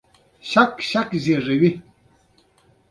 د پیتالوژي علم د طب بنسټ دی.